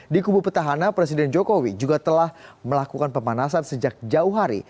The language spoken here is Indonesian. di kubu petahana presiden jokowi juga telah melakukan pemanasan sejak jauh hari